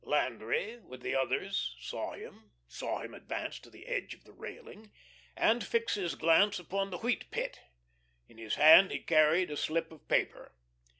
Landry with the others saw him, saw him advance to the edge of the railing, and fix his glance upon the Wheat Pit. In his hand he carried a slip of paper.